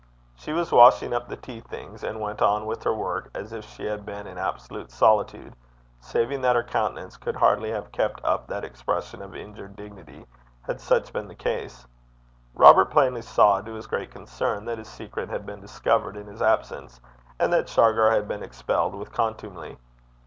She was washing up the tea things, and went on with her work as if she had been in absolute solitude, saving that her countenance could hardly have kept up that expression of injured dignity had such been the case. Robert plainly saw, to his great concern, that his secret had been discovered in his absence, and that Shargar had been expelled with contumely.